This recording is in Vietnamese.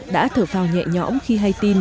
đã thở phào nhẹ nhõm khi hay tin